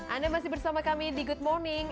anda masih bersama kami di good morning